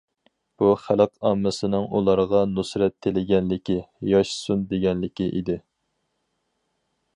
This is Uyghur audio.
بۇ خەلق ئاممىسىنىڭ ئۇلارغا نۇسرەت تىلىگەنلىكى، ياشىسۇن دېگەنلىكى ئىدى.